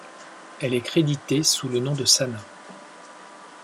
Elle est créditée sous le nom de Sana.